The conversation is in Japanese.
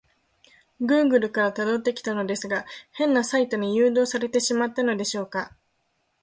グーグルから辿ってきたのですが、変なサイトに誘導されてしまったのでしょうか？